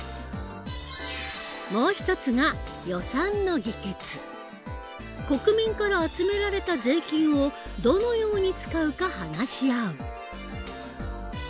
もう一つが国民から集められた税金をどのように使うか話し合う。